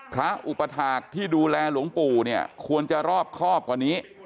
พระอุปถาคที่ดูแลหลวงปู่เนี่ยควรจะรอบครอบกว่านี้